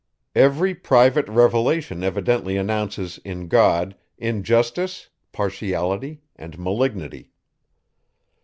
Every private revelation evidently announces in God, injustice, partiality and malignity.